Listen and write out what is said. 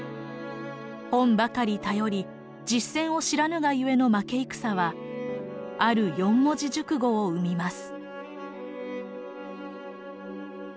本ばかり頼り実戦を知らぬがゆえの負け戦はある四文字熟語を生みます。